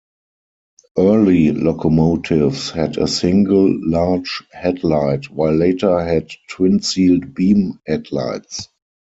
Early locomotives had a single large headlight, while later had twin sealed-beam headlights.